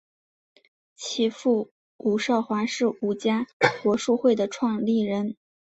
其父为伍绍华是伍家国术会的创立人。